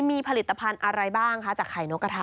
มีผลิตภัณฑ์อะไรบ้างคะจากไข่นกกระทะ